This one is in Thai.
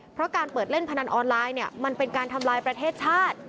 เพราะการเปิดเล่นพนันออนไลน์เนี่ยมันเป็นการทำลายประเทศชาติ